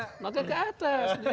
melangkah ke atas